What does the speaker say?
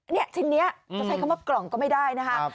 นี่ชิ้นนี้จะใช้คำว่ากล่องก็ไม่ได้นะคะ